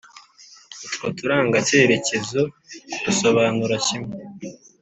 Utwo turangacyerekezo dusobanura kimwe